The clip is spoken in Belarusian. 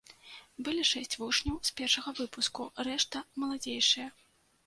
Былі шэсць вучняў з першага выпуску, рэшта маладзейшыя.